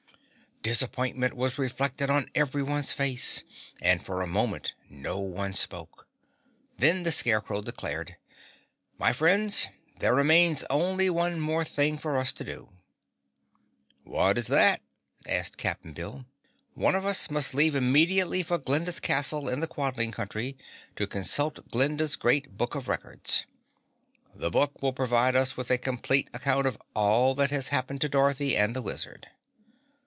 Disappointment was reflected on everyone's face, and for a moment no one spoke. Then the Scarecrow declared, "My friends, there remains only one more thing for us to do." "What is that?" asked Cap'n Bill. "One of us must leave immediately for Glinda's castle in the Quadling Country to consult Glinda's Great Book of Records. The book will provide us with a complete account of all that has happened to Dorothy and the Wizard."